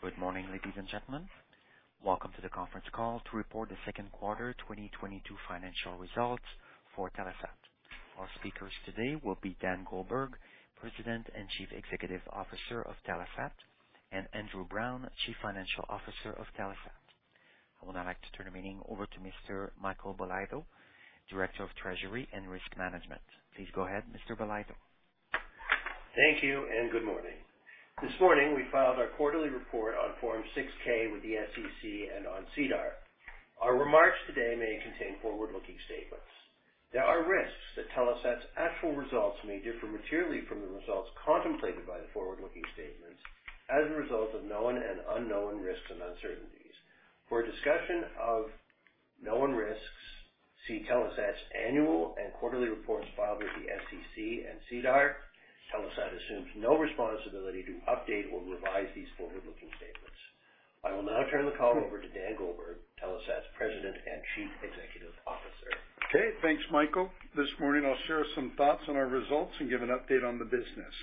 Good morning, ladies and gentlemen. Welcome to the conference call to report the second quarter 2022 financial results for Telesat. Our speakers today will be Dan Goldberg, President and Chief Executive Officer of Telesat, and Andrew Browne, Chief Financial Officer of Telesat. I would now like to turn the meeting over to Mr. Michael Bolitho, Director of Treasury and Risk Management. Please go ahead, Mr. Bolitho. Thank you and good morning. This morning, we filed our quarterly report on Form 6-K with the SEC and on SEDAR. Our remarks today may contain forward-looking statements. There are risks that Telesat's actual results may differ materially from the results contemplated by the forward-looking statements as a result of known and unknown risks and uncertainties. For a discussion of known risks, see Telesat's annual and quarterly reports filed with the SEC and SEDAR. Telesat assumes no responsibility to update or revise these forward-looking statements. I will now turn the call over to Dan Goldberg, Telesat's President and Chief Executive Officer. Okay, thanks, Michael. This morning I'll share some thoughts on our results and give an update on the business.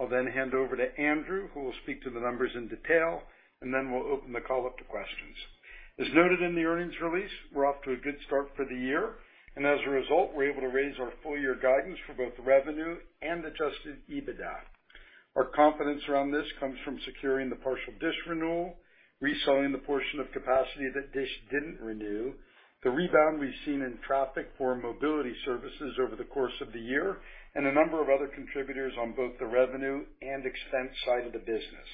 I'll then hand over to Andrew, who will speak to the numbers in detail, and then we'll open the call up to questions. As noted in the earnings release, we're off to a good start for the year, and as a result, we're able to raise our full year guidance for both revenue and Adjusted EBITDA. Our confidence around this comes from securing the partial DISH renewal, reselling the portion of capacity that DISH didn't renew, the rebound we've seen in traffic for mobility services over the course of the year, and a number of other contributors on both the revenue and expense side of the business.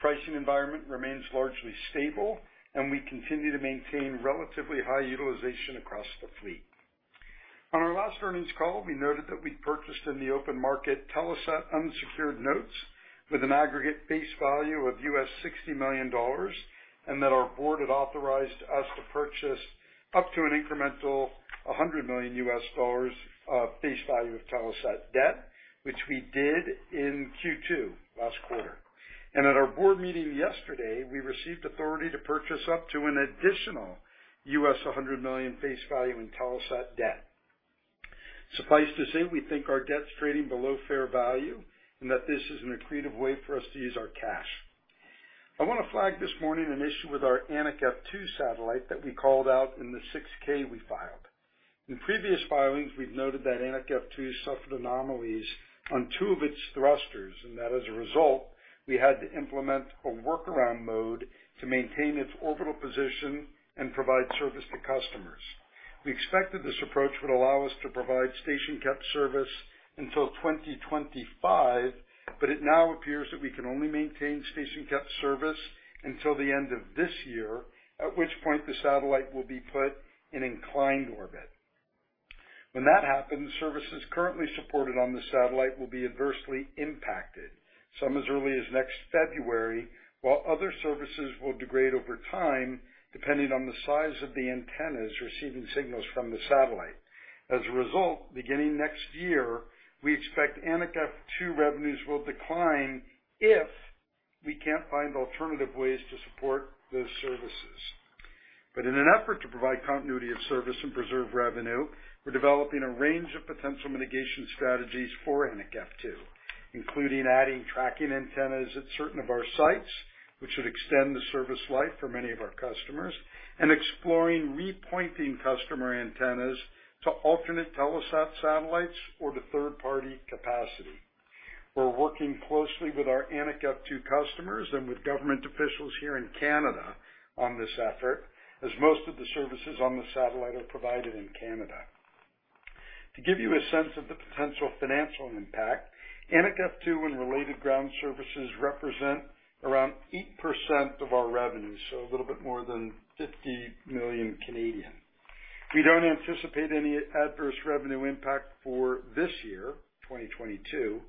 Pricing environment remains largely stable and we continue to maintain relatively high utilization across the fleet. On our last earnings call, we noted that we purchased in the open market Telesat unsecured notes with an aggregate face value of $60 million, and that our board had authorized us to purchase up to an incremental $100 million of face value of Telesat debt, which we did in Q2 last quarter. At our board meeting yesterday, we received authority to purchase up to an additional $100 million face value in Telesat debt. Suffice to say, we think our debt's trading below fair value and that this is an accretive way for us to use our cash. I want to flag this morning an issue with our Anik F2 satellite that we called out in the 6-K we filed. In previous filings, we've noted that Anik F2 suffered anomalies on two of its thrusters, and that as a result, we had to implement a workaround mode to maintain its orbital position and provide service to customers. We expected this approach would allow us to provide station-kept service until 2025, but it now appears that we can only maintain station-kept service until the end of this year, at which point the satellite will be put in inclined orbit. When that happens, services currently supported on the satellite will be adversely impacted, some as early as next February, while other services will degrade over time, depending on the size of the antennas receiving signals from the satellite. As a result, beginning next year, we expect Anik F2 revenues will decline if we can't find alternative ways to support those services. In an effort to provide continuity of service and preserve revenue, we're developing a range of potential mitigation strategies for Anik F2, including adding tracking antennas at certain of our sites, which would extend the service life for many of our customers, and exploring repointing customer antennas to alternate Telesat satellites or to third-party capacity. We're working closely with our Anik F2 customers and with government officials here in Canada on this effort, as most of the services on the satellite are provided in Canada. To give you a sense of the potential financial impact, Anik F2 and related ground services represent around 8% of our revenue, so a little bit more than 50 million. We don't anticipate any adverse revenue impact for this year, 2022.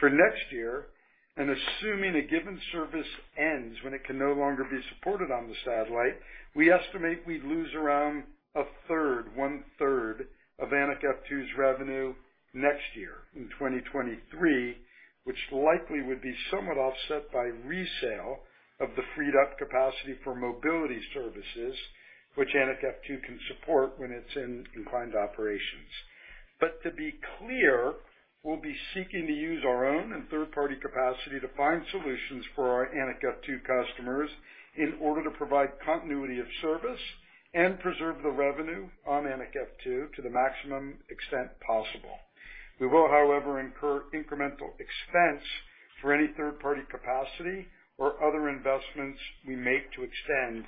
For next year, and assuming a given service ends when it can no longer be supported on the satellite, we estimate we'd lose around a third, 1/3 of Anik F2's revenue next year in 2023, which likely would be somewhat offset by resale of the freed up capacity for mobility services, which Anik F2 can support when it's in inclined operations. To be clear, we'll be seeking to use our own and third party capacity to find solutions for our Anik F2 customers in order to provide continuity of service and preserve the revenue on Anik F2 to the maximum extent possible. We will, however, incur incremental expense for any third-party capacity or other investments we make to extend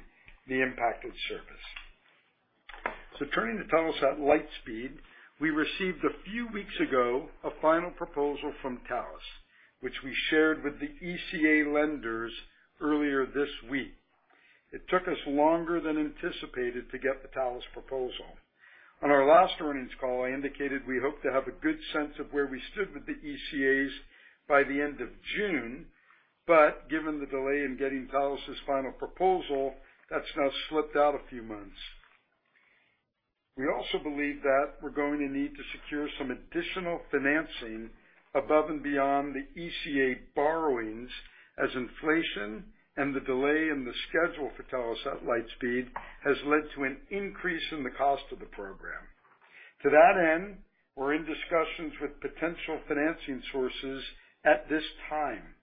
the impacted service. Turning to Telesat Lightspeed, we received a few weeks ago a final proposal from Thales, which we shared with the ECA lenders earlier this week. It took us longer than anticipated to get the Thales proposal. On our last earnings call, I indicated we hope to have a good sense of where we stood with the ECAs by the end of June, but given the delay in getting Thales' final proposal, that's now slipped out a few months. We also believe that we're going to need to secure some additional financing above and beyond the ECA borrowings as inflation and the delay in the schedule for Telesat Lightspeed has led to an increase in the cost of the program. To that end, we're in discussions with potential financing sources at this time.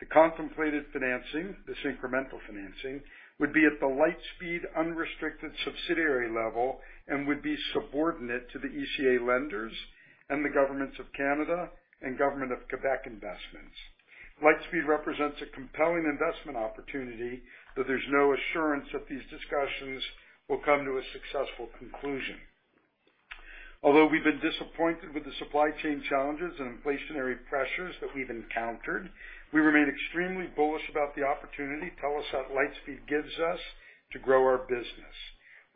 The contemplated financing, this incremental financing, would be at the Lightspeed unrestricted subsidiary level and would be subordinate to the ECA lenders and the Government of Canada and Government of Quebec investments. Lightspeed represents a compelling investment opportunity, but there's no assurance that these discussions will come to a successful conclusion. Although we've been disappointed with the supply chain challenges and inflationary pressures that we've encountered, we remain extremely bullish about the opportunity Telesat Lightspeed gives us to grow our business.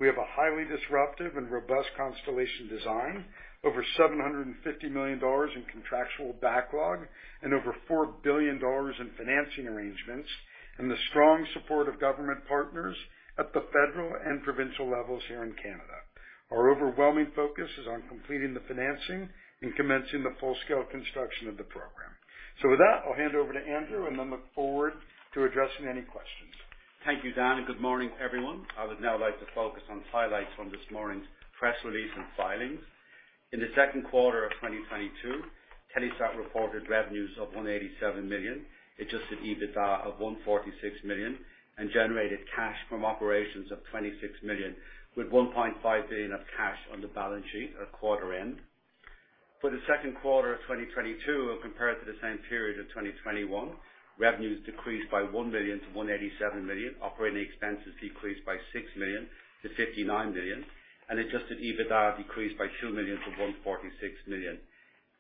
We have a highly disruptive and robust constellation design, over 750 million dollars in contractual backlog and over 4 billion dollars in financing arrangements, and the strong support of government partners at the federal and provincial levels here in Canada. Our overwhelming focus is on completing the financing and commencing the full-scale construction of the program. With that, I'll hand over to Andrew, and then look forward to addressing any questions. Thank you, Dan, and good morning, everyone. I would now like to focus on highlights from this morning's press release and filings. In the second quarter of 2022, Telesat reported revenues of 187 million, Adjusted EBITDA of 146 million, and generated cash from operations of 26 million, with 1.5 billion of cash on the balance sheet at quarter end. For the second quarter of 2022 when compared to the same period of 2021, revenues decreased by 1 million to 187 million. Operating expenses decreased by 6 million to 59 million, and Adjusted EBITDA decreased by 2 million to 146 million.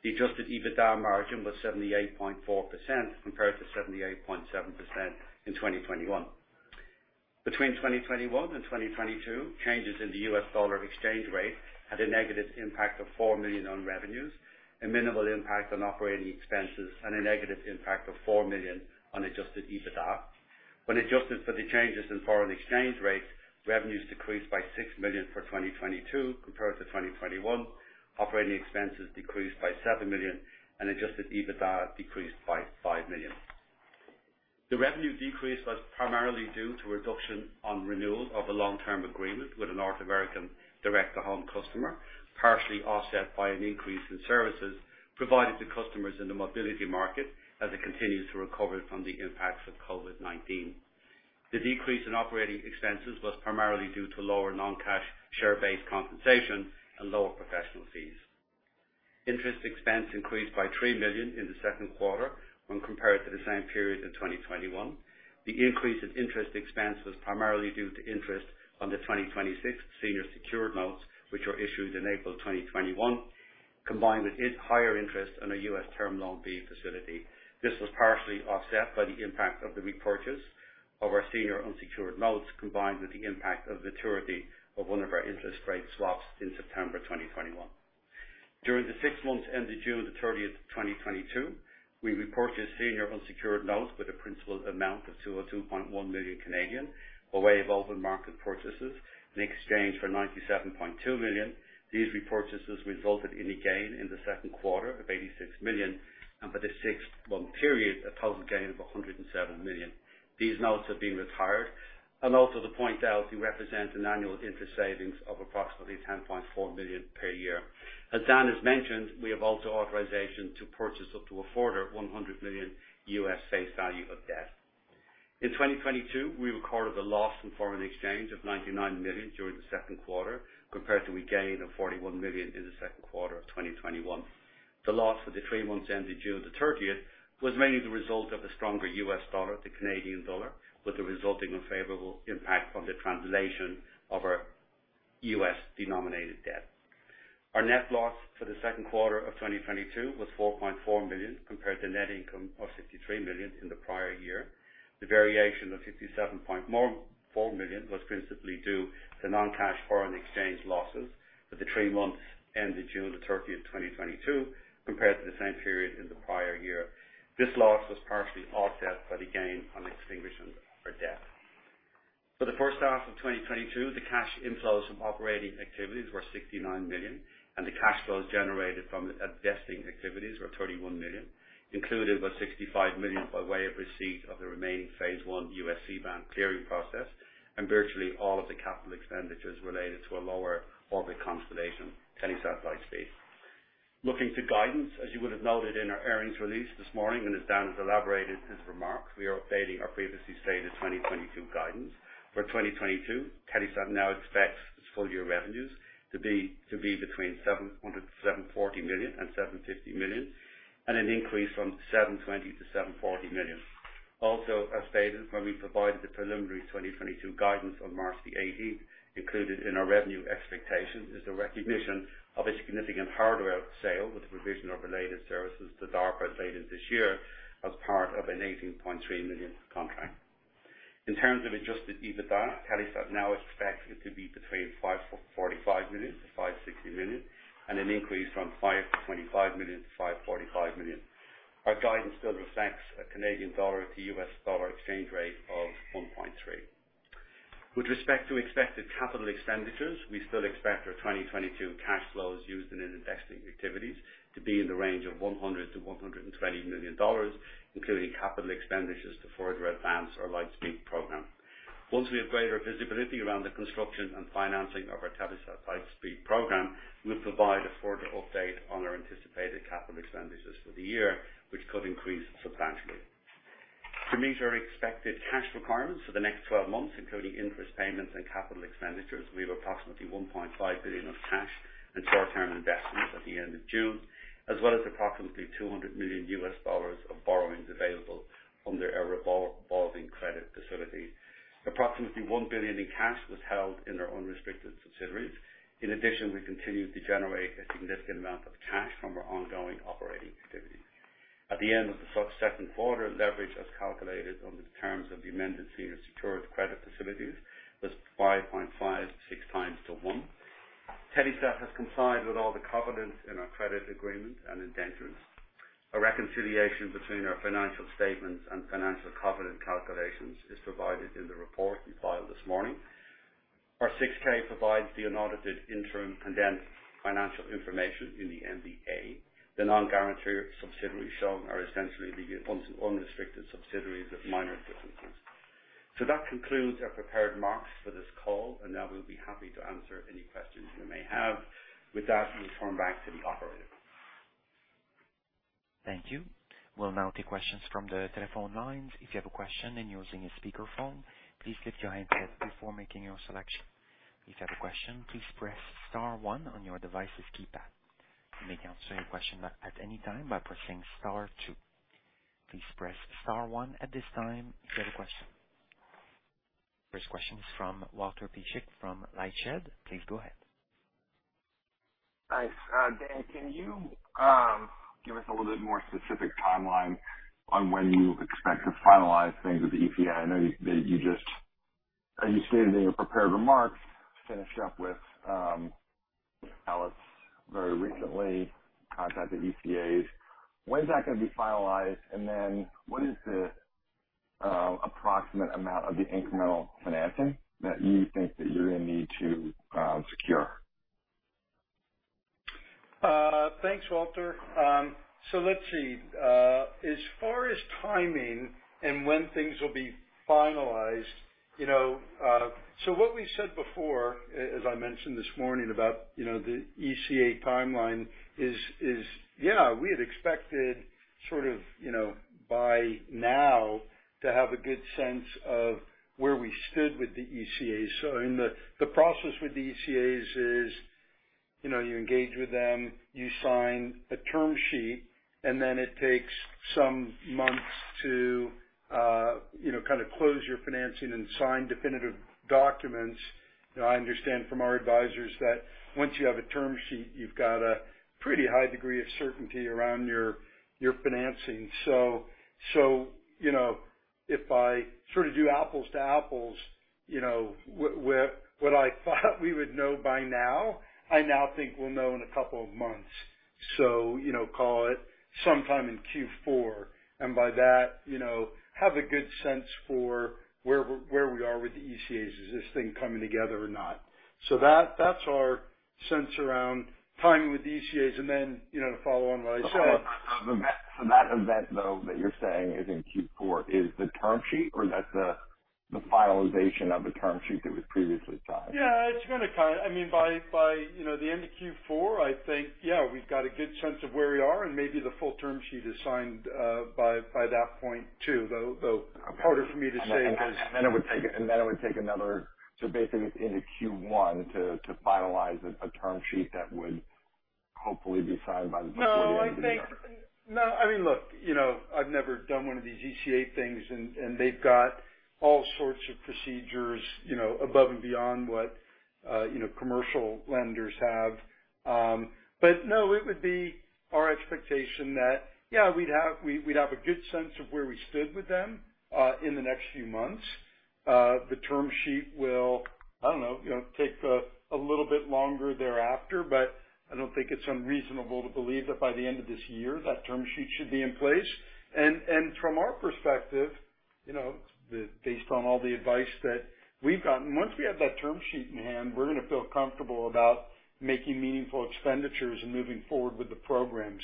The Adjusted EBITDA margin was 78.4% compared to 78.7% in 2021. Between 2021 and 2022, changes in the U.S. dollar exchange rate had a negative impact of 4 million on revenues, a minimal impact on operating expenses, and a negative impact of 4 million on Adjusted EBITDA. When adjusted for the changes in foreign exchange rates, revenues decreased by 6 million for 2022 compared to 2021. Operating expenses decreased by 7 million and Adjusted EBITDA decreased by 5 million. The revenue decrease was primarily due to reduction on renewal of a long-term agreement with a North American direct-to-home customer, partially offset by an increase in services provided to customers in the mobility market as it continues to recover from the impacts of COVID-19. The decrease in operating expenses was primarily due to lower non-cash share-based compensation and lower professional fees. Interest expense increased by 3 million in the second quarter when compared to the same period in 2021. The increase in interest expense was primarily due to interest on the 2026 Senior Secured Notes, which were issued in April 2021, combined with higher interest on a U.S. Term Loan B facility. This was partially offset by the impact of the repurchase of our senior unsecured notes, combined with the impact of the maturity of one of our interest rate swaps in September 2021. During the six months ended June 30th, 2022, we repurchased senior unsecured notes with a principal amount of 202.1 million by way of open market purchases in exchange for 97.2 million. These repurchases resulted in a gain in the second quarter of 86 million, and for the six-month period, a total gain of 107 million. These notes have been retired. Also to point out, we represent an annual interest savings of approximately 10.4 million per year. As Dan has mentioned, we have also authorization to purchase up to a further $100 million U.S. face value of debt. In 2022, we recorded a loss in foreign exchange of 99 million during the second quarter compared to a gain of 41 million in the second quarter of 2021. The loss for the three months ended June 30th was mainly the result of a stronger U.S. dollar to Canadian dollar, with a resulting unfavorable impact from the translation of our U.S. denominated debt. Our net loss for the second quarter of 2022 was 4.4 million, compared to net income of 53 million in the prior year. The variation of 67.4 million was principally due to non-cash foreign exchange losses for the three months ended June 30th, 2022, compared to the same period in the prior year. This loss was partially offset by the gain on extinguishment of our debt. For the first half of 2022, the cash inflows from operating activities were 69 million, and the cash flows generated from investing activities were 31 million. Included was 65 million by way of receipt of the remaining phase one U.S. C-band clearing process, and virtually all of the capital expenditures related to a lower orbit constellation, Telesat Lightspeed. Looking to guidance, as you would have noted in our earnings release this morning, and as Dan has elaborated in his remarks, we are updating our previously stated 2022 guidance. For 2022, Telesat now expects its full year revenues to be between 740 million-750 million, and an increase from 720 million to 740 million. Also, as stated when we provided the preliminary 2022 guidance on March 18th, included in our revenue expectations is the recognition of a significant hardware sale with the provision of related services to DARPA later this year as part of a 18.3 million contract. In terms of Adjusted EBITDA, Telesat now expects it to be between 545 million-560 million and an increase from 525 million to 545 million. Our guidance still reflects a Canadian dollar to US dollar exchange rate of 1.3. With respect to expected capital expenditures, we still expect our 2022 cash flows used in investing activities to be in the range of 100 million-120 million dollars, including capital expenditures to further advance our Lightspeed program. Once we have greater visibility around the construction and financing of our Telesat Lightspeed program, we'll provide a further update on our anticipated capital expenditures for the year, which could increase substantially. To meet our expected cash requirements for the next twelve months, including interest payments and capital expenditures, we have approximately 1.5 billion of cash and short-term investments at the end of June, as well as approximately $200 million of borrowings available under our revolving credit facility. Approximately 1 billion in cash was held in our unrestricted subsidiaries. In addition, we continued to generate a significant amount of cash from our ongoing operating activity. At the end of the second quarter, leverage, as calculated on the terms of the amended senior secured credit facilities, was 5.56x. Telesat has complied with all the covenants in our credit agreement and indentures. A reconciliation between our financial statements and financial covenant calculations is provided in the report we filed this morning. Our 6-K provides the unaudited interim condensed financial information in the MD&A. The non-guarantor subsidiaries shown are essentially the unrestricted subsidiaries of minor significance. That concludes our prepared remarks for this call, and now we'll be happy to answer any questions you may have. With that, we turn back to the operator. Thank you. We'll now take questions from the telephone lines. If you have a question and you're using a speakerphone, please lift your handset before making your selection. If you have a question, please press star one on your device's keypad. You may cancel your question at any time by pressing star two. Please press star one at this time if you have a question. First question is from Walt Piecyk from LightShed. Please go ahead. Nice. Dan, can you give us a little bit more specific timeline on when you expect to finalize things with the ECA? I know that you just, as you stated in your prepared remarks, finished up with Thales very recently, contacted ECAs. When's that gonna be finalized? And then what is the approximate amount of the incremental financing that you think that you're gonna need to secure? Thanks, Walt. Let's see. As far as timing and when things will be finalized, you know, what we said before, as I mentioned this morning about, you know, the ECA timeline is, yeah, we had expected sort of, you know, by now to have a good sense of where we stood with the ECAs. In the process with the ECAs is, you know, you engage with them, you sign a term sheet, and then it takes some months to, you know, kind of close your financing and sign definitive documents. I understand from our advisors that once you have a term sheet, you've got a pretty high degree of certainty around your financing. You know, if I sort of do apples-to-apples, you know, with what I thought we would know by now, I now think we'll know in a couple of months. You know, call it sometime in Q4, and by that, you know, have a good sense for where we are with the ECAs. Is this thing coming together or not? That's our sense around timing with the ECAs, and then, you know, to follow on what I said. That event, though, that you're saying is in Q4 is the term sheet or that's the finalization of the term sheet that was previously signed? Yeah, it's gonna—I mean, by, you know, the end of Q4, I think, yeah, we've got a good sense of where we are, and maybe the full term sheet is signed by that point, too, though harder for me to say because. It would take another. Basically into Q1 to finalize a term sheet that would hopefully be signed by the- No, I think. No, I mean, look, you know, I've never done one of these ECA things, and they've got all sorts of procedures, you know, above and beyond what you know, commercial lenders have. It would be our expectation that, yeah, we'd have a good sense of where we stood with them in the next few months. The term sheet will, I don't know, you know, take a little bit longer thereafter, but I don't think it's unreasonable to believe that by the end of this year, that term sheet should be in place. From our perspective, you know, based on all the advice that we've gotten, once we have that term sheet in hand, we're gonna feel comfortable about making meaningful expenditures and moving forward with the program.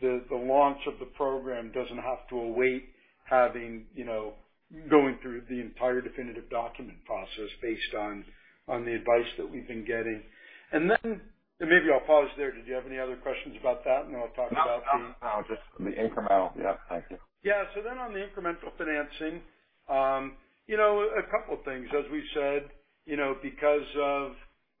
The launch of the program doesn't have to await having, you know, going through the entire definitive document process based on the advice that we've been getting. Maybe I'll pause there. Did you have any other questions about that? I'll talk about the- No, no. Just the incremental. Yeah, thank you. On the incremental financing, a couple of things as we said, you know, because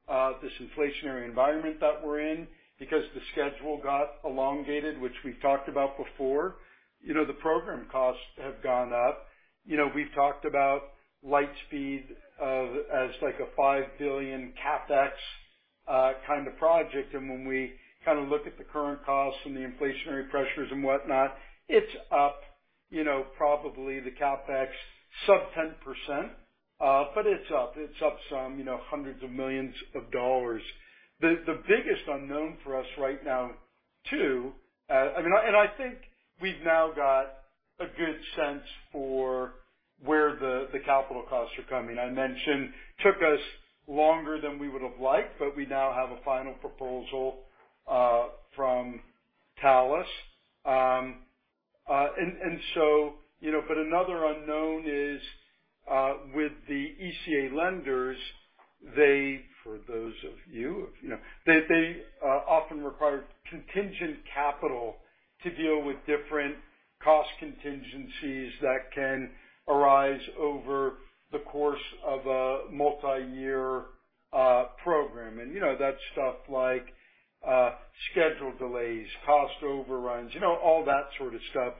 of this inflationary environment that we're in, because the schedule got elongated, which we've talked about before, you know, the program costs have gone up. You know, we've talked about Lightspeed as like a 5 billion CapEx kind of project. When we kind of look at the current costs and the inflationary pressures and whatnot, it's up, you know, probably the CapEx sub 10%, but it's up. It's up some, you know, hundreds of millions of Canadian dollars. The biggest unknown for us right now, I think we've now got a good sense for where the capital costs are coming. I mentioned took us longer than we would have liked, but we now have a final proposal from Thales. You know, but another unknown is with the ECA lenders. They, for those of you who know, they often require contingent capital to deal with different cost contingencies that can arise over the course of a multiyear program. You know, that's stuff like schedule delays, cost overruns, you know, all that sort of stuff.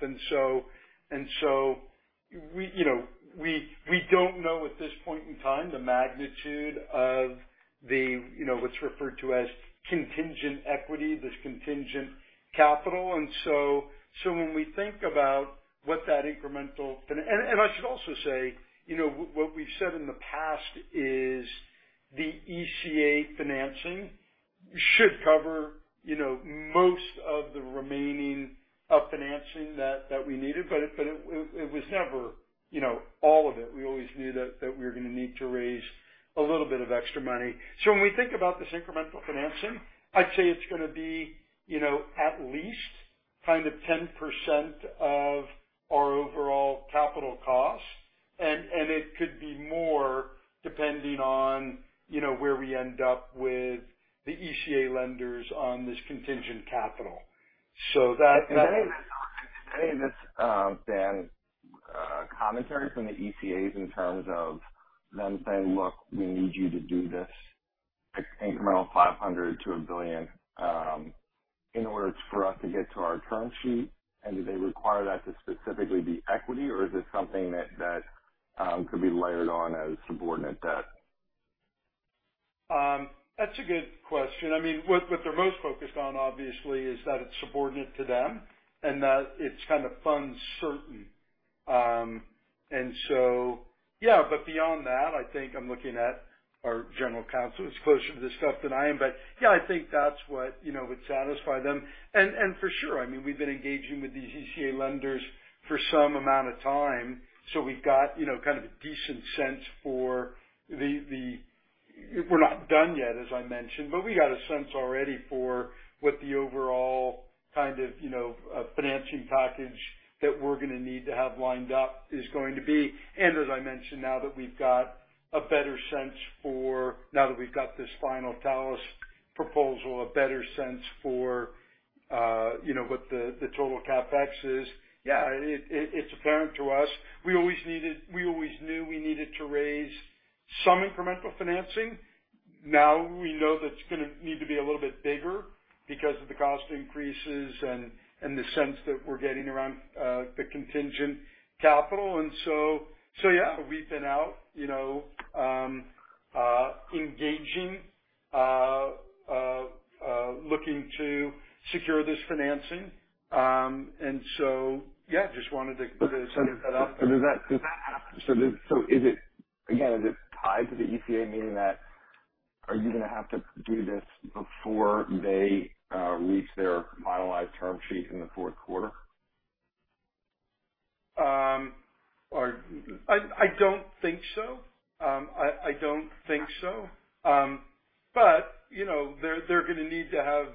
We, you know, we don't know at this point in time the magnitude of, you know, what's referred to as contingent equity, this contingent capital. When we think about what that incremental financing, I should also say, you know, what we've said in the past is the ECA financing should cover, you know, most of the remaining financing that we needed. But it was never, you know, all of it. We always knew that we were gonna need to raise a little bit of extra money. When we think about this incremental financing, I'd say it's gonna be, you know, at least kind of 10% of our overall capital costs. It could be more depending on, you know, where we end up with the ECA lenders on this contingent capital. That- Any of this, Dan, commentary from the ECAs in terms of them saying, "Look, we need you to do this incremental 500 million to 1 billion in order for us to get to our term sheet." Do they require that to specifically be equity, or is it something that could be layered on as subordinate debt? That's a good question. I mean, what they're most focused on, obviously, is that it's subordinate to them and that it's kind of non-recourse. Yeah, but beyond that, I think I'm looking at our general counsel who's closer to this stuff than I am. Yeah, I think that's what, you know, would satisfy them. For sure, I mean, we've been engaging with these ECA lenders for some amount of time, so we've got, you know, kind of a decent sense for the. We're not done yet, as I mentioned, but we got a sense already for what the overall kind of, you know, financing package that we're gonna need to have lined up is going to be. As I mentioned, now that we've got a better sense for... Now that we've got this final Thales proposal, a better sense for what the total CapEx is. Yeah, it's apparent to us. We always knew we needed to raise some incremental financing. Now we know that it's gonna need to be a little bit bigger because of the cost increases and the sense that we're getting around the contingent capital. Yeah, we've been out engaging looking to secure this financing. Yeah, just wanted to set that up. Is it, Again, is it tied to the ECA, meaning that are you gonna have to do this before they reach their finalized term sheet in the fourth quarter? I don't think so. I don't think so. You know, they're gonna need to have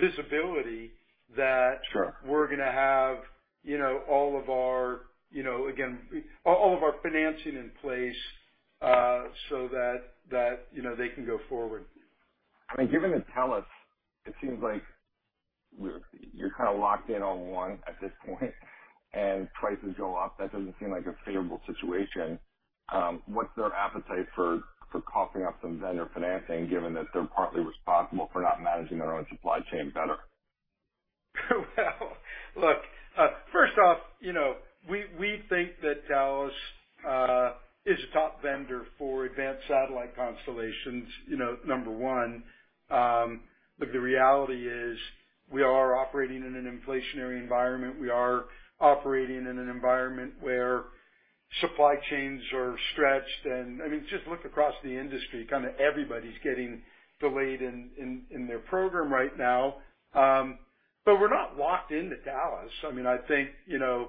visibility that. We're gonna have, you know, all of our, you know, again, all of our financing in place so that, you know, they can go forward. I mean, given the Thales, it seems like you're kind of locked in on one at this point, and prices go up. That doesn't seem like a favorable situation. What's their appetite for coughing up some vendor financing, given that they're partly responsible for not managing their own supply chain better? Well, look, first off, you know, we think that Thales is a top vendor for advanced satellite constellations, you know, number one. Look, the reality is we are operating in an inflationary environment. We are operating in an environment where supply chains are stretched, and I mean, just look across the industry, kind of everybody's getting delayed in their program right now. We're not locked into Thales. I mean, I think, you know,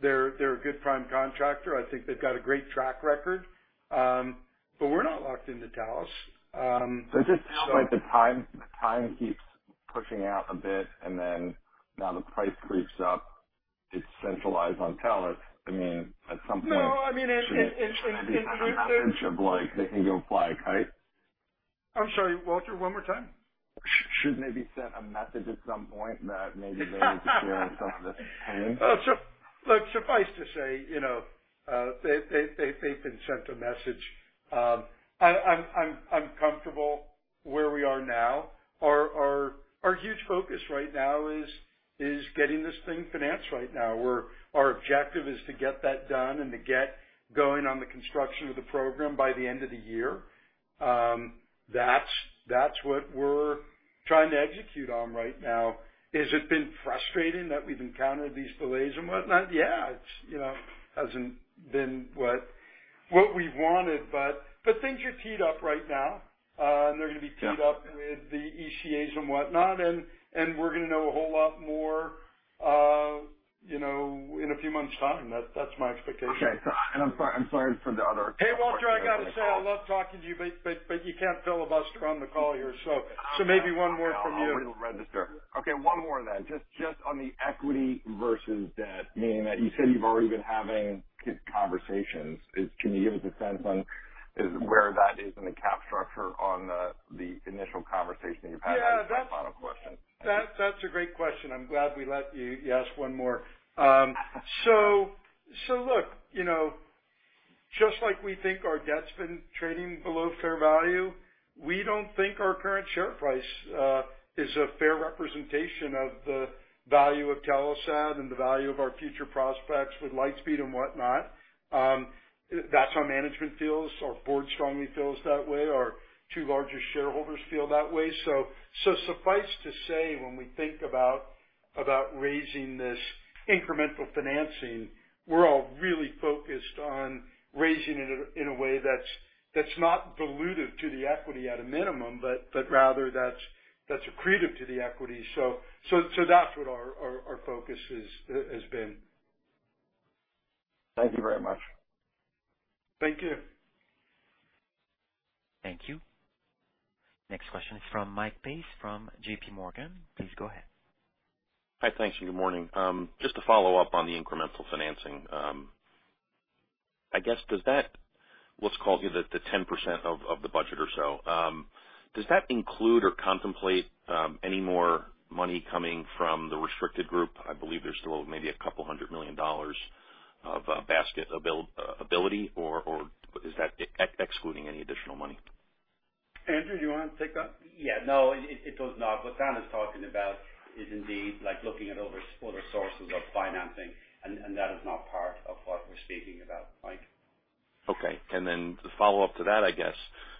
they're a good prime contractor. I think they've got a great track record. We're not locked into Thales. It just sounds like the time keeps pushing out a bit, and then now the price creeps up. It's centralized on Thales. I mean, at some point. No, I mean, it- Like, they can go fly a kite. I'm sorry, Walt, one more time. Should they be sent a message at some point that maybe they need to share in some of this pain? Look, suffice to say, you know, they've been sent a message. I'm comfortable where we are now. Our huge focus right now is getting this thing financed right now, where our objective is to get that done and to get going on the construction of the program by the end of the year. That's what we're trying to execute on right now. Has it been frustrating that we've encountered these delays and whatnot? Yeah. It's, you know, hasn't been what we wanted, but things are teed up right now. They're gonna be teed up with the ECAs and whatnot, and we're gonna know a whole lot more, you know, in a few months' time. That's my expectation. Okay. I'm sorry for the other- Hey, Walt, I gotta say I love talking to you, but you can't filibuster on the call here, so maybe one more from you. No, I'm on a little register. Okay, one more then. Just on the equity versus debt, meaning that you said you've already been having key conversations. Can you give us a sense on where that is in the cap structure on the initial conversation you've had? One final question. That's a great question. I'm glad we let you ask one more. Look, you know, just like we think our debt's been trading below fair value, we don't think our current share price is a fair representation of the value of Telesat and the value of our future prospects with Lightspeed and whatnot. That's how management feels. Our board strongly feels that way. Our two largest shareholders feel that way. Suffice to say, when we think about raising this incremental financing, we're all really focused on raising it in a way that's not dilutive to the equity at a minimum, but rather that's accretive to the equity. That's what our focus is, has been. Thank you very much. Thank you. Thank you. Next question is from Mike Pace from JPMorgan. Please go ahead. Hi. Thank you. Good morning. Just to follow up on the incremental financing. I guess, does that, let's call it the 10% of the budget or so, does that include or contemplate any more money coming from the restricted group? I believe there's still maybe 200 million dollars of basket availability or is that excluding any additional money? Andrew, do you wanna take that? Yeah. No, it does not. What Dan is talking about is indeed like looking at other sources of financing, and that is not part of what we're speaking about, Mike. Okay. To follow up to that, I guess,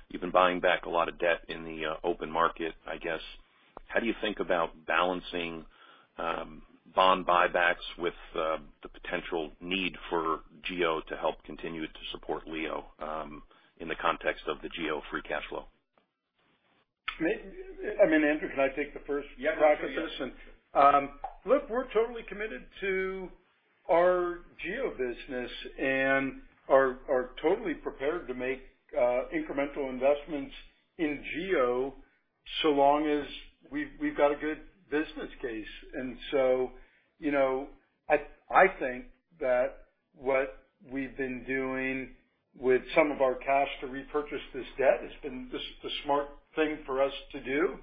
you've been buying back a lot of debt in the open market, I guess. How do you think about balancing bond buybacks with the potential need for GEO to help continue to support LEO in the context of the GEO free cash flow? I mean, Andrew, can I take the first crack at this? Yeah. Go for it. Look, we're totally committed to our GEO business and are totally prepared to make incremental investments in GEO so long as we've got a good business case. You know, I think that what we've been doing with some of our cash to repurchase this debt has been the smart thing for us to do.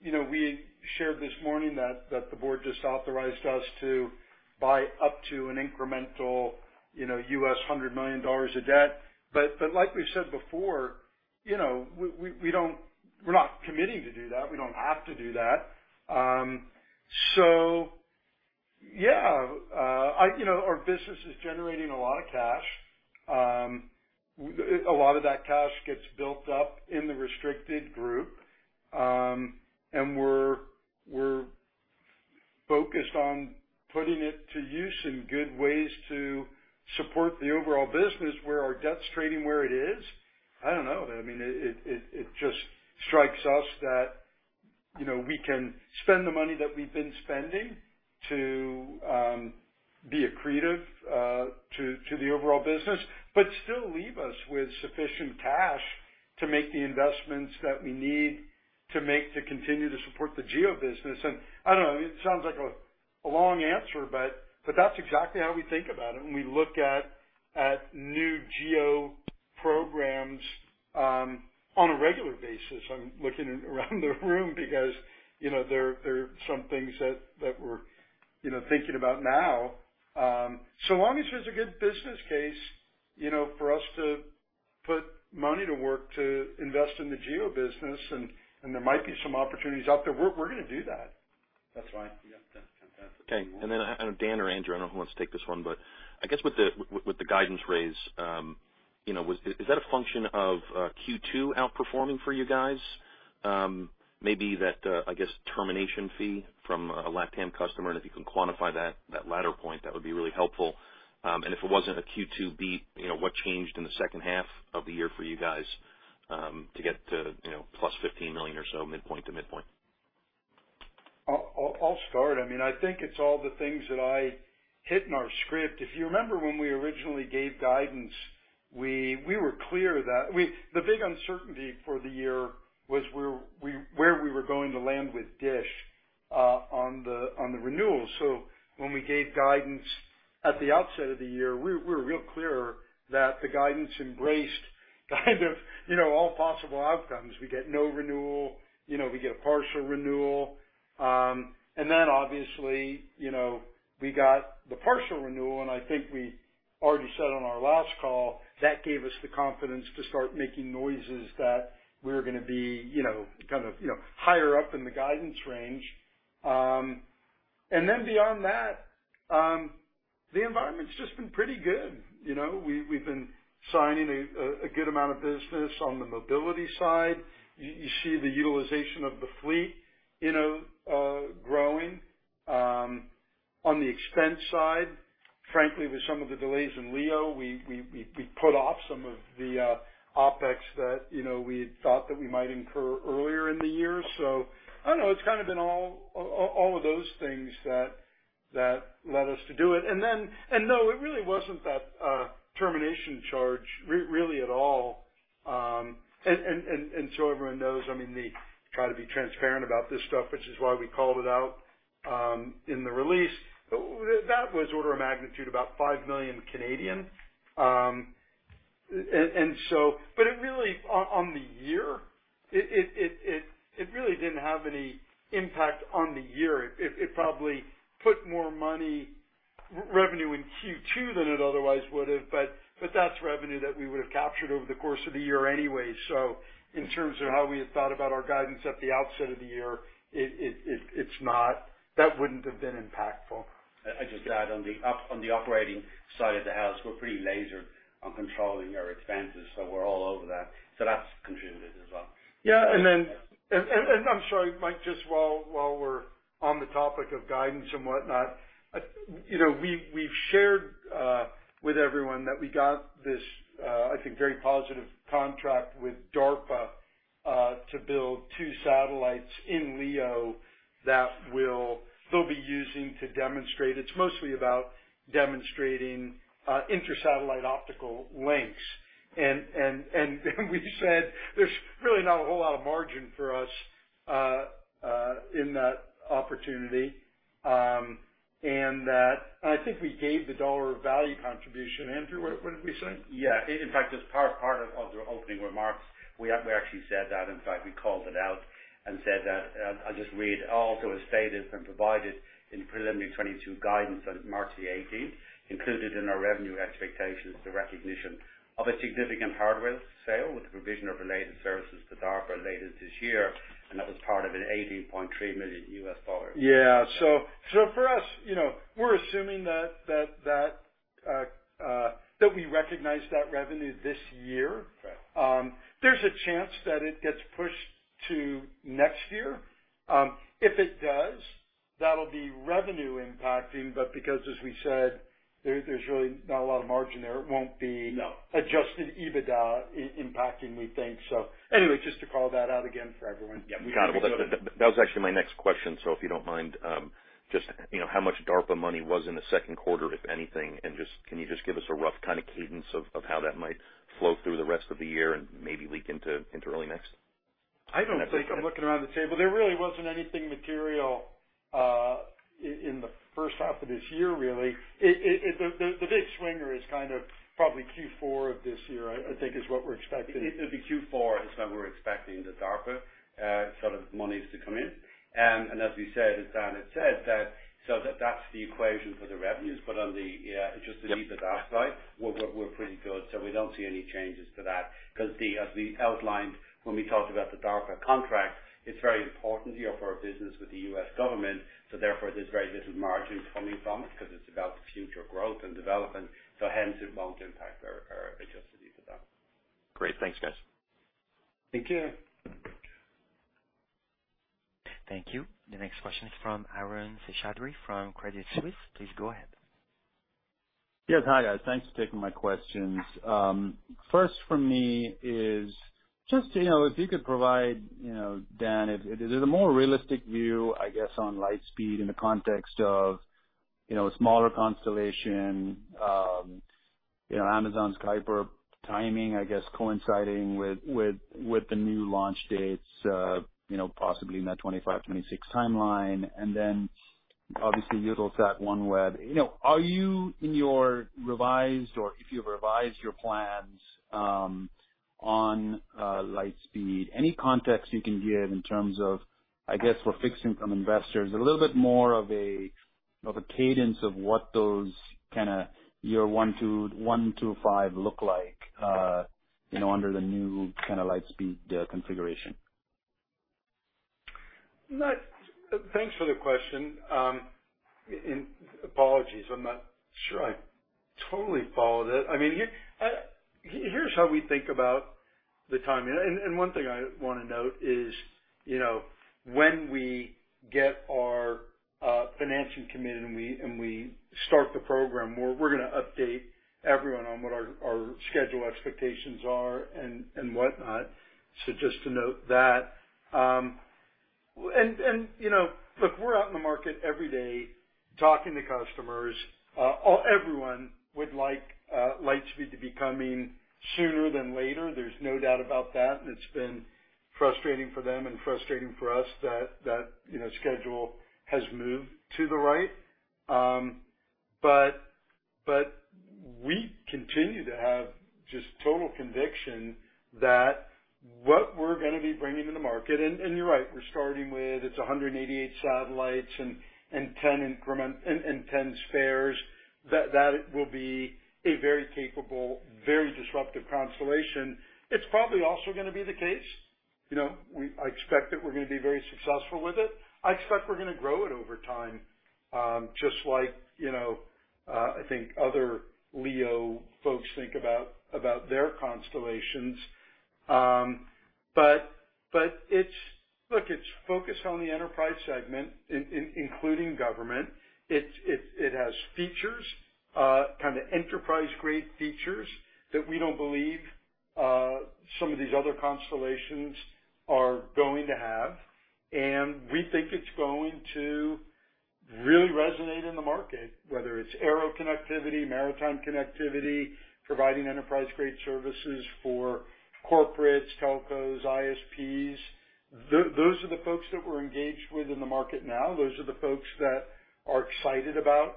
You know, we shared this morning that the board just authorized us to buy up to an incremental $100 million of debt. Like we said before, you know, we're not committing to do that. We don't have to do that. Yeah, you know, our business is generating a lot of cash. A lot of that cash gets built up in the restricted group, and we're focused on putting it to use in good ways to support the overall business where our debt's trading where it is. I don't know. I mean, it just strikes us that, you know, we can spend the money that we've been spending to be accretive to the overall business, but still leave us with sufficient cash to make the investments that we need to make to continue to support the GEO business. I don't know, it sounds like a long answer, but that's exactly how we think about it when we look at new GEO programs on a regular basis. I'm looking around the room because, you know, there are some things that we're thinking about now. Long as there's a good business case, you know, for us to put money to work to invest in the GEO business, and there might be some opportunities out there, we're gonna do that. Yeah. That's fantastic. I don't know, Dan or Andrew, I don't know who wants to take this one, but I guess with the guidance raise, you know, is that a function of Q2 outperforming for you guys? Maybe that, I guess, termination fee from a LATAM customer, and if you can quantify that latter point, that would be really helpful. If it wasn't a Q2 beat, you know, what changed in the second half of the year for you guys to get to, you know, +15 million or so midpoint to midpoint? I'll start. I mean, I think it's all the things that I hit in our script. If you remember when we originally gave guidance, we were clear that the big uncertainty for the year was where we were going to land with DISH on the renewal. When we gave guidance at the outset of the year, we were real clear that the guidance embraced kind of, you know, all possible outcomes. We get no renewal, you know, we get a partial renewal. Obviously, you know, we got the partial renewal, and I think we already said on our last call, that gave us the confidence to start making noises that we're gonna be, you know, kind of, you know, higher up in the guidance range. Beyond that, the environment's just been pretty good. You know, we've been signing a good amount of business on the mobility side. You see the utilization of the fleet, you know, growing, on the expense side. Frankly, with some of the delays in LEO, we put off some of the OpEx that, you know, we had thought that we might incur earlier in the year. I don't know, it's kind of been all of those things that led us to do it. No, it really wasn't that termination charge really at all. So everyone knows, I mean, try to be transparent about this stuff, which is why we called it out in the release. That was order of magnitude about 5 million. It really, on the year, really didn't have any impact on the year. It probably put more revenue in Q2 than it otherwise would have. That's revenue that we would have captured over the course of the year anyway. In terms of how we had thought about our guidance at the outset of the year, it's not. That wouldn't have been impactful. I just add on the operating side of the house, we're pretty laser-focused on controlling our expenses, so we're all over that. That's contributed as well. I'm sorry, Mike, just while we're on the topic of guidance and whatnot. You know, we've shared with everyone that we got this, I think, very positive contract with DARPA to build two satellites in LEO that they'll be using to demonstrate. It's mostly about demonstrating intersatellite optical links. We said there's really not a whole lot of margin for us in that opportunity, and that. I think we gave the dollar value contribution. Andrew, what did we say? Yeah. In fact, as part of the opening remarks, we actually said that. In fact, we called it out and said that, I'll just read. Also, as stated and provided in preliminary 2022 guidance on March 18, included in our revenue expectations, the recognition of a significant hardware sale with the provision of related services to DARPA later this year, and that was part of an $18.3 million. Yeah. For us, you know, we're assuming that we recognize that revenue this year. There's a chance that it gets pushed to next year. If it does, that'll be revenue impacting, but because as we said, there's really not a lot of margin there, it won't be Adjusted EBITDA impacting, we think so. Anyway, just to call that out again for everyone. Got it. That was actually my next question. If you don't mind, just, you know, how much DARPA money was in the second quarter, if anything? Just, can you just give us a rough kind of cadence of how that might flow through the rest of the year and maybe leak into early next? I don't think. I'm looking around the table. There really wasn't anything material in the first half of this year, really. The big swinger is kind of probably Q4 of this year, I think is what we're expecting. It'll be Q4 when we're expecting the DARPA sort of monies to come in. As we said, as Dan had said, that's the equation for the revenues. On the just the EBITDA side, we're pretty good, so we don't see any changes to that because, as we outlined when we talked about the DARPA contract, it's very important here for our business with the U.S. government, so therefore there's very little margin coming from it because it's about future growth and development. Hence it won't impact our adjusted EBITDA. Great. Thanks, guys. Thank you. Thank you. The next question is from Arun Seshadri from Credit Suisse. Please go ahead. Yes. Hi, guys. Thanks for taking my questions. First for me is just, you know, if you could provide, you know, Dan, is it a more realistic view, I guess, on Lightspeed in the context of, you know, a smaller constellation, you know, Amazon's Kuiper timing, I guess, coinciding with the new launch dates, you know, possibly in that 2025, 2026 timeline, and then obviously Eutelsat OneWeb. You know, are you in your revised or if you've revised your plans on Lightspeed, any context you can give in terms of, I guess, for investors seeking a little bit more of a cadence of what those kinda year one-five look like, you know, under the new kinda Lightspeed configuration? Thanks for the question. Apologies, I'm not sure I totally followed it. I mean, here's how we think about the timing. One thing I wanna note is, you know, when we get our financing committed, and we start the program, we're gonna update everyone on what our schedule expectations are and whatnot. Just to note that. You know, look, we're out in the market every day talking to customers. Everyone would like Lightspeed to be coming sooner than later. There's no doubt about that. It's been frustrating for them and frustrating for us that, you know, schedule has moved to the right. We continue to have just total conviction that what we're gonna be bringing to the market, and you're right, we're starting with 188 satellites and 10 spares. That will be a very capable, very disruptive constellation. It's probably also gonna be the case. You know, I expect that we're gonna be very successful with it. I expect we're gonna grow it over time, just like, you know, I think other LEO folks think about their constellations. Look, it's focused on the enterprise segment including government. It has features, kind of enterprise-grade features that we don't believe some of these other constellations are going to have. We think it's going to really resonate in the market, whether it's aero connectivity, maritime connectivity, providing enterprise-grade services for corporates, telcos, ISPs. Those are the folks that we're engaged with in the market now. Those are the folks that are excited about,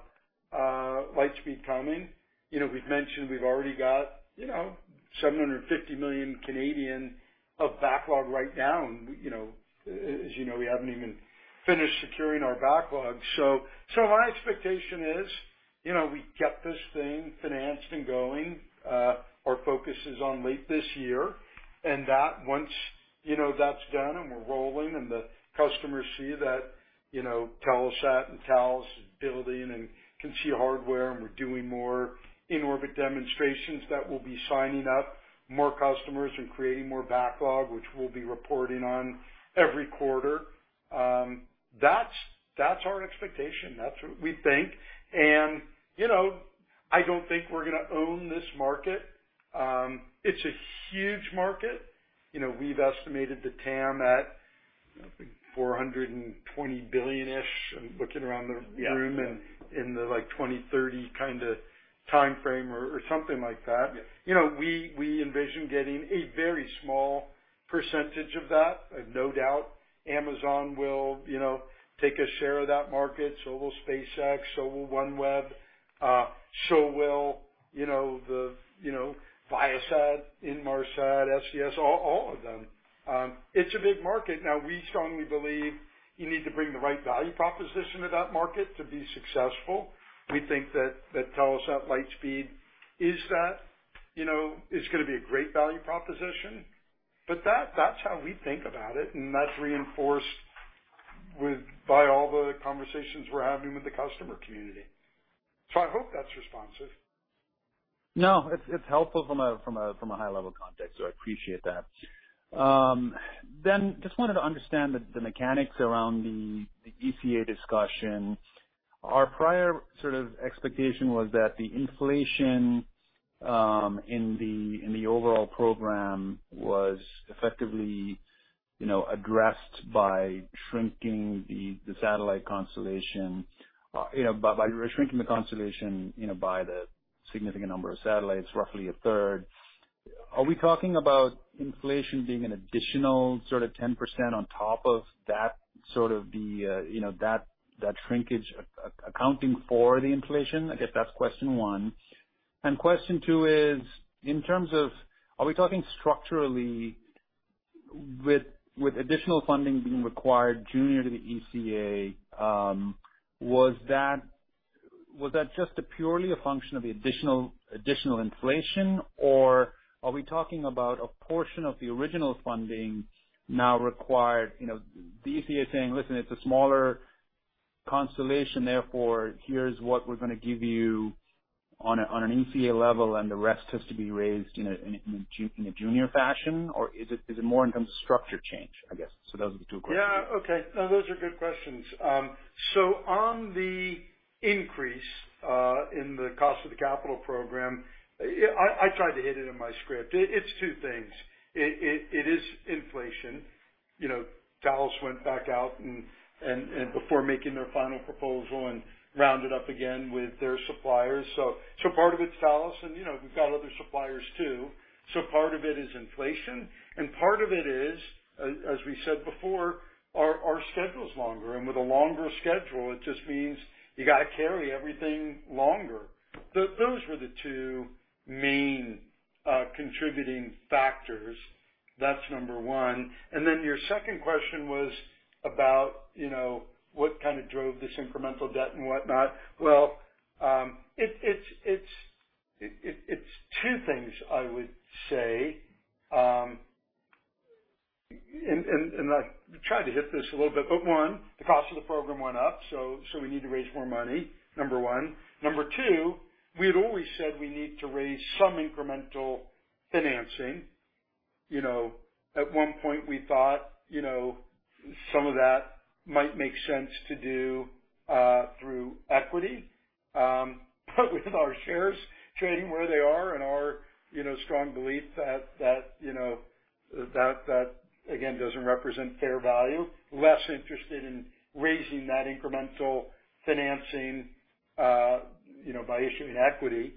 Lightspeed coming. You know, we've mentioned we've already got, you know, 750 million of backlog right now. You know, as you know, we haven't even finished securing our backlog. My expectation is, you know, we get this thing financed and going. Our focus is on late this year, and then once, you know, that's done, and we're rolling, and the customers see that, you know, Telesat and Thales is building and can see hardware, and we're doing more in-orbit demonstrations that we'll be signing up more customers and creating more backlog, which we'll be reporting on every quarter. That's our expectation. That's what we think. You know, I don't think we're gonna own this market. It's a huge market. You know, we've estimated the TAM at, I think, 420 billion-ish, and looking around the room in the, like, 2030 kinda timeframe or something like that. You know, we envision getting a very small percentage of that. No doubt, Amazon will, you know, take a share of that market. So will SpaceX, so will OneWeb. So will Viasat, Inmarsat, SES, all of them. It's a big market. Now, we strongly believe you need to bring the right value proposition to that market to be successful. We think that Telesat Lightspeed is that. You know, it's gonna be a great value proposition. But that's how we think about it, and that's reinforced by all the conversations we're having with the customer community. I hope that's responsive. No, it's helpful from a high-level context, so I appreciate that. Just wanted to understand the mechanics around the ECA discussion. Our prior sort of expectation was that the inflation in the overall program was effectively you know addressed by shrinking the satellite constellation you know by shrinking the constellation you know by the significant number of satellites, roughly a third. Are we talking about inflation being an additional sort of 10% on top of that, sort of the you know that shrinkage accounting for the inflation? I guess that's question one. Question two is, in terms of are we talking structurally with additional funding being required junior to the ECA? Was that just purely a function of the additional inflation, or are we talking about a portion of the original funding now required? You know, the ECA saying, "Listen, it's a smaller constellation, therefore here's what we're gonna give you on an ECA level, and the rest has to be raised in a junior fashion." Or is it more in terms of structure change, I guess? Those are the two questions. Yeah. Okay. No, those are good questions. So on the increase in the cost of the capital program, yeah, I tried to hit it in my script. It's two things. It is inflation. You know, Thales went back out and before making their final proposal and rounded up again with their suppliers. So part of it's Thales, and, you know, we've got other suppliers, too. So part of it is inflation, and part of it is, as we said before, our schedule's longer, and with a longer schedule, it just means you gotta carry everything longer. Those were the two main contributing factors. That's number one. Then your second question was about, you know, what kind of drove this incremental debt and whatnot. Well, it's two things, I would say. I tried to hit this a little bit, but one, the cost of the program went up, so we need to raise more money, number one. Number two, we had always said we need to raise some incremental financing. You know, at one point, we thought, you know, some of that might make sense to do through equity. With our shares trading where they are and our, you know, strong belief that you know that again doesn't represent fair value. Less interested in raising that incremental financing, you know, by issuing equity.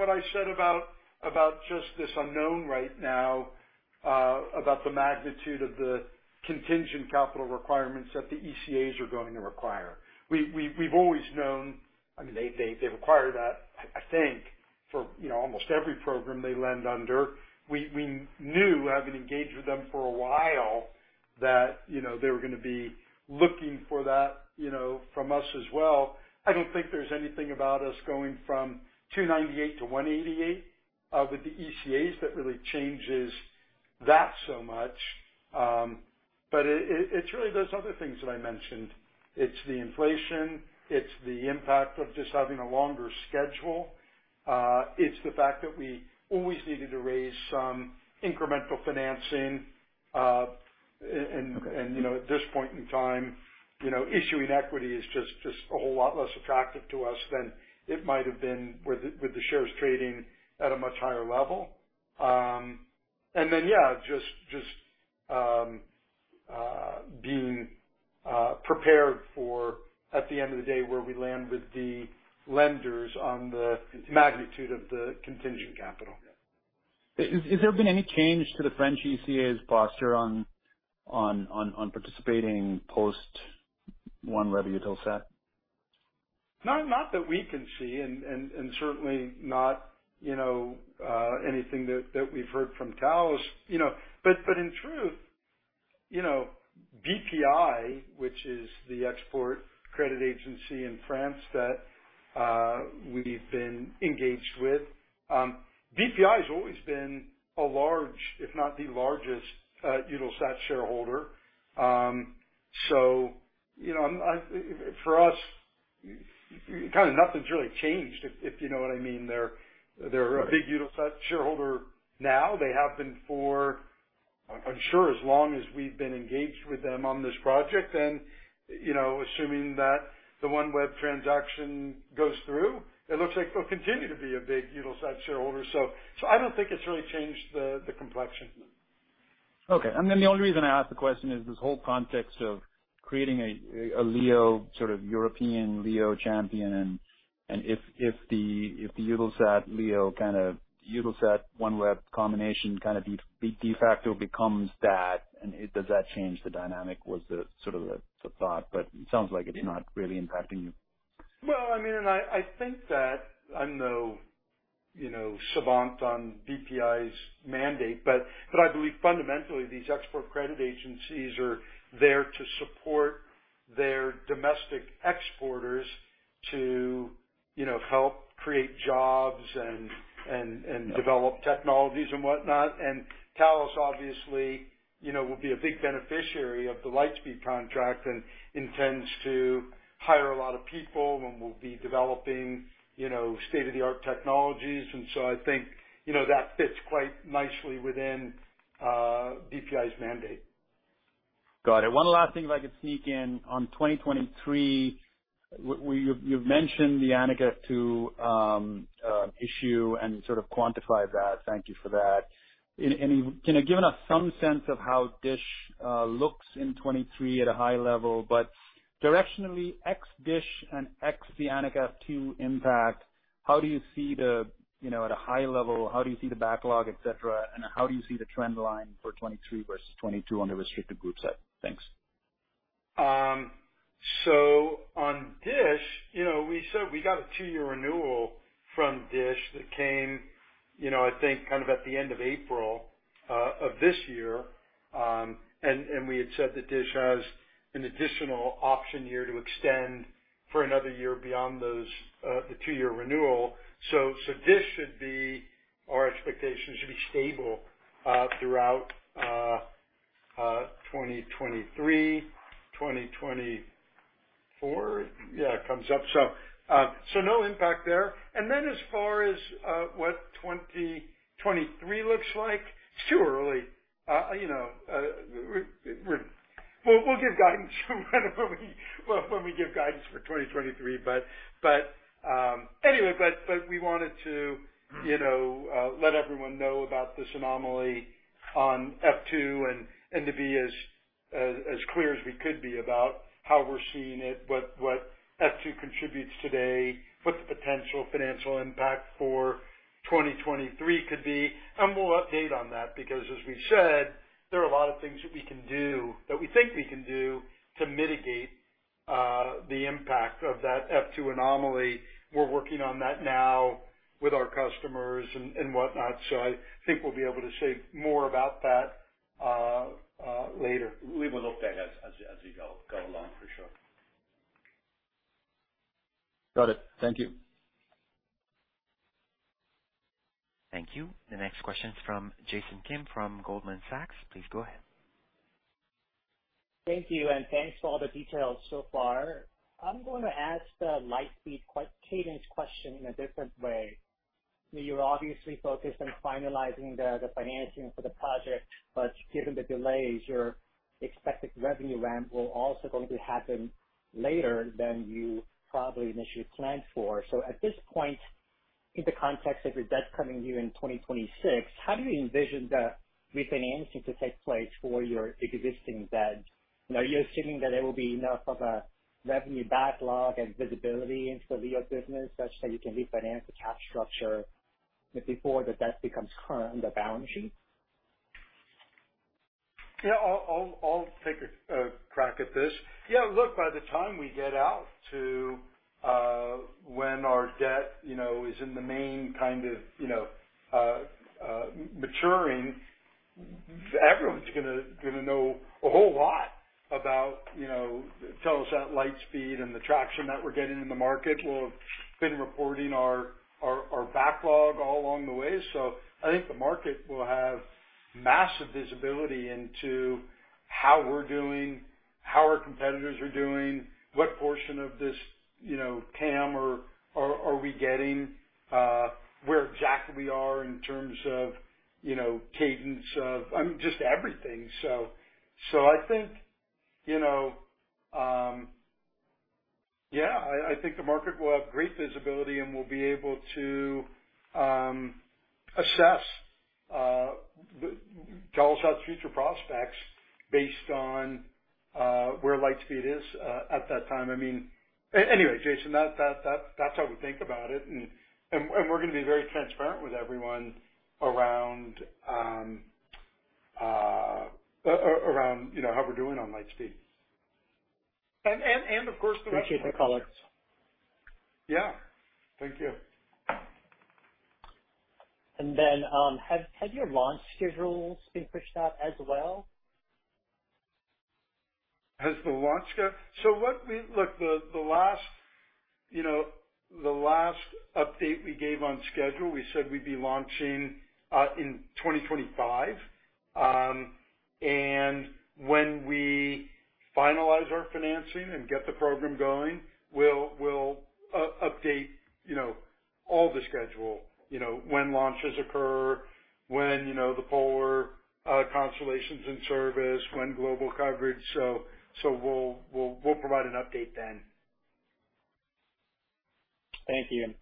What I said about just this unknown right now about the magnitude of the contingent capital requirements that the ECAs are going to require. We've always known, I mean, they require that, I think, for, you know, almost every program they lend under. We knew, having engaged with them for a while, that, you know, they were gonna be looking for that, you know, from us as well. I don't think there's anything about us going from 298-188 with the ECAs that really changes that so much, but it's really those other things that I mentioned. It's the inflation, it's the impact of just having a longer schedule. It's the fact that we always needed to raise some incremental financing, and, you know, at this point in time, you know, issuing equity is just a whole lot less attractive to us than it might have been with the shares trading at a much higher level. Being prepared for, at the end of the day, where we land with the lenders on the magnitude of the contingent capital. Has there been any change to the French ECA's posture on participating post OneWeb Eutelsat? No, not that we can see, and certainly not, you know, anything that we've heard from Thales. You know, but in truth, you know, Bpifrance, which is the export credit agency in France that we've been engaged with, Bpifrance has always been a large, if not the largest, Eutelsat shareholder. For us, kind of nothing's really changed, if you know what I mean. They're a big Eutelsat shareholder now. They have been for, I'm sure, as long as we've been engaged with them on this project. You know, assuming that the OneWeb transaction goes through, it looks like they'll continue to be a big Eutelsat shareholder. I don't think it's really changed the complexion. Okay. The only reason I ask the question is this whole context of creating a LEO, sort of European LEO champion, and if the Eutelsat LEO kind of Eutelsat OneWeb combination kind of de facto becomes that, and does that change the dynamic was the sort of thought. But it sounds like it's not really impacting you. Well, I mean, I think that I'm no savant on Bpifrance's mandate, but I believe fundamentally these export credit agencies are there to support their domestic exporters to, you know, help create jobs and develop technologies and whatnot. Thales obviously, you know, will be a big beneficiary of the Lightspeed contract and intends to hire a lot of people, and we'll be developing, you know, state-of-the-art technologies. I think, you know, that fits quite nicely within Bpifrance's mandate Got it. One last thing, if I could sneak in. On 2023, you've mentioned the Anik F2 issue and sort of quantified that. Thank you for that. Can you give us some sense of how DISH looks in 2023 at a high level? Directionally, ex-DISH and ex the Anik F2 impact, how do you see the, you know, at a high level, how do you see the backlog, et cetera? And how do you see the trend line for 2023 versus 2022 on the restricted group side? Thanks. On DISH, you know, we said we got a two-year renewal from DISH that came, you know, I think, kind of at the end of April, of this year. We had said that DISH has an additional option year to extend for another year beyond those, the two-year renewal. DISH should be, our expectation, should be stable throughout 2023, 2024. Yeah, it comes up. No impact there. As far as what 2023 looks like, it's too early. You know, we'll give guidance when we give guidance for 2023. Anyway, we wanted to, you know, let everyone know about this anomaly on F2 and to be as clear as we could be about how we're seeing it, what F2 contributes today, what the potential financial impact for 2023 could be. We'll update on that because, as we said, there are a lot of things that we can do, that we think we can do to mitigate the impact of that F2 anomaly. We're working on that now with our customers and whatnot. I think we'll be able to say more about that later. We will update as you go along, for sure. Got it. Thank you. Thank you. The next question is from Jason Kim from Goldman Sachs. Please go ahead. Thank you, and thanks for all the details so far. I'm going to ask the Lightspeed key cadence question in a different way. You're obviously focused on finalizing the financing for the project, but given the delays, your expected revenue ramp will also going to happen later than you probably initially planned for. At this point, in the context of your debt coming due in 2026, how do you envision the refinancing to take place for your existing debt? Are you assuming that there will be enough of a revenue backlog and visibility into the LEO business such that you can refinance the capital structure before the debt becomes [current or ballooning]? Yeah. I'll take a crack at this. Yeah, look, by the time we get out to when our debt, you know, is in the main kind of, you know, maturing, everyone's gonna know a whole lot about, you know, Telesat Lightspeed and the traction that we're getting in the market. We'll have been reporting our backlog all along the way. I think the market will have massive visibility into how we're doing, how our competitors are doing, what portion of this, you know, TAM are we getting, where exactly we are in terms of, you know, cadence of, I mean, just everything. I think the market will have great visibility, and will able to, asses Telesat's future prospects based on where Lightspeed is at that time. I mean, anyway, Jason, that's how we think about it. We're gonna be very transparent with everyone around, you know, how we're doing on Lightspeed. Of course- Thank you for the color. Yeah. Thank you. Have your launch schedules been pushed out as well? The last update we gave on schedule, we said we'd be launching in 2025. When we finalize our financing and get the program going, we'll update, you know, all the schedule, you know, when launches occur, when the polar constellation's in service, when global coverage. We'll provide an update then. Thank you.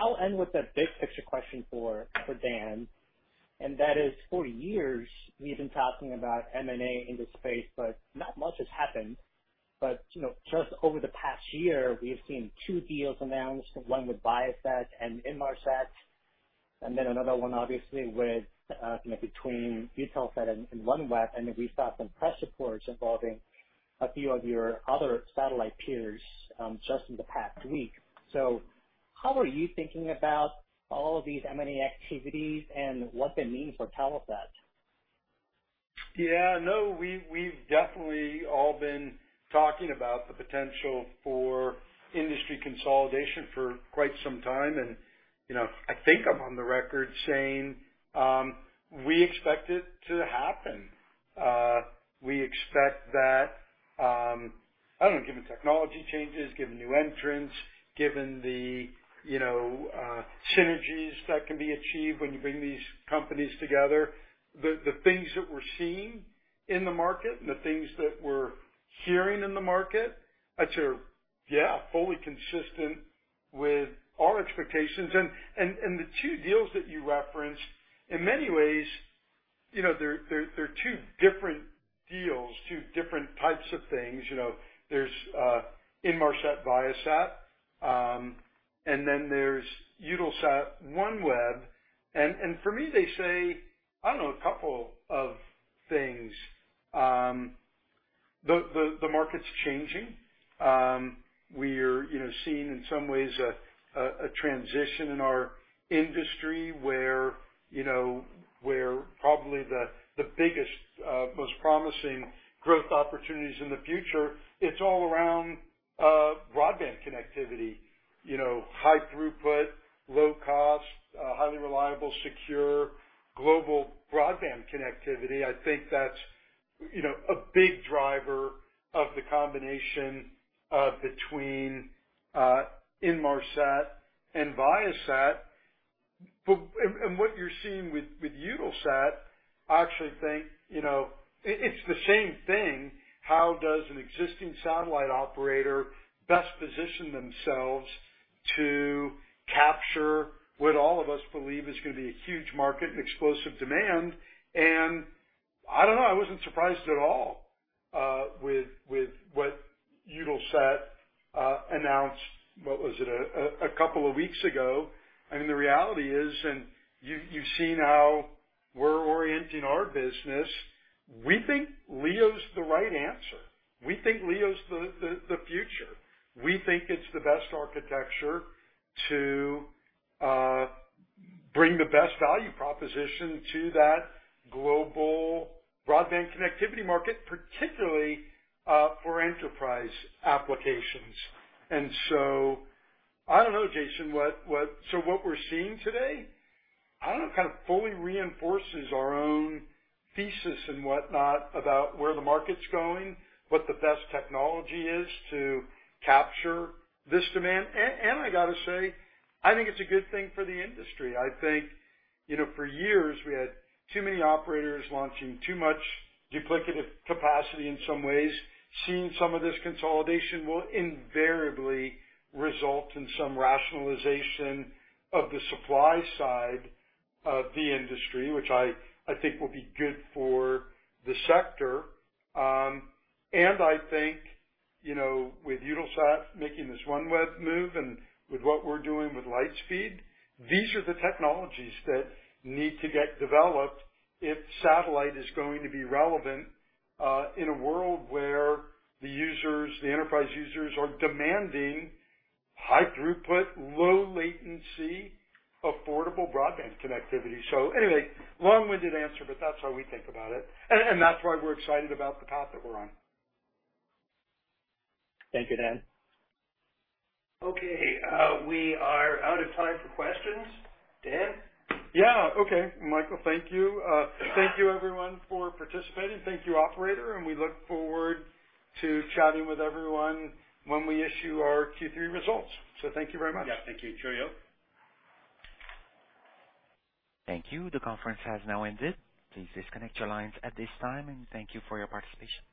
I'll end with a big picture question for Dan, and that is, for years we've been talking about M&A in this space, but not much has happened. You know, just over the past year, we have seen two deals announced, one with Viasat and Inmarsat, and then another one obviously with, you know, between Eutelsat and OneWeb, and then we saw some press reports involving a few of your other satellite peers, just in the past week. How are you thinking about all of these M&A activities and what they mean for Telesat? Yeah. No, we've definitely all been talking about the potential for industry consolidation for quite some time. You know, I think I'm on the record saying we expect it to happen. We expect that, I don't know, given technology changes, given new entrants, given the, you know, synergies that can be achieved when you bring these companies together, the things that we're seeing in the market and the things that we're hearing in the market, I'd say are, yeah, fully consistent with our expectations. The two deals that you referenced, in many ways, you know, they're two different deals, two different types of things. You know, there's Inmarsat, Viasat, and then there's Eutelsat, OneWeb. For me, they say, I don't know, a couple of things. The market's changing. We're, you know, seeing in some ways a transition in our industry where, you know, where probably the biggest, most promising growth opportunities in the future. It's all around broadband connectivity. You know, high throughput, low cost, highly reliable, secure, global broadband connectivity. I think that's, you know, a big driver of the combination between Inmarsat and Viasat. What you're seeing with Eutelsat, I actually think, you know, it's the same thing. How does an existing satellite operator best position themselves to capture what all of us believe is gonna be a huge market and explosive demand? I don't know, I wasn't surprised at all with what Eutelsat announced, what was it, a couple of weeks ago. I mean, the reality is, and you've seen how we're orienting our business. We think LEO's the right answer. We think LEO's the future. We think it's the best architecture to bring the best value proposition to that global broadband connectivity market, particularly for enterprise applications. I don't know, Jason. What we're seeing today, I don't know, kind of fully reinforces our own thesis and whatnot about where the market's going, what the best technology is to capture this demand. I gotta say, I think it's a good thing for the industry. I think, you know, for years, we had too many operators launching too much duplicative capacity in some ways. Seeing some of this consolidation will invariably result in some rationalization of the supply side of the industry, which I think will be good for the sector. I think, you know, with Eutelsat making this OneWeb move and with what we're doing with Lightspeed, these are the technologies that need to get developed if satellite is going to be relevant in a world where the users, the enterprise users are demanding high throughput, low-latency, affordable broadband connectivity. So anyway, long-winded answer, but that's how we think about it. That's why we're excited about the path that we're on. Thank you, Dan. Okay. We are out of time for questions. Dan? Yeah. Okay. Michael, thank you. Thank you everyone for participating. Thank you, operator, and we look forward to chatting with everyone when we issue our Q3 results. Thank you very much. Yeah. Thank you.[Cheerio]. Thank you. The conference has now ended. Please disconnect your lines at this time, and thank you for your participation.